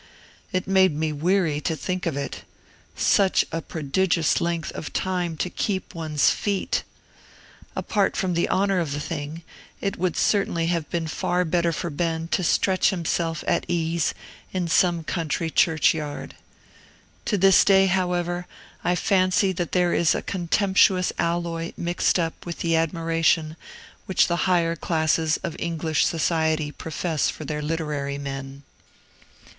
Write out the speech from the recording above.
It made me weary to think of it! such a prodigious length of time to keep one's feet! apart from the honor of the thing, it would certainly have been better for Ben to stretch himself at ease in some country churchyard. To this day, however, I fancy that there is a contemptuous alloy mixed up with the admiration which the higher classes of English society profess for their literary men.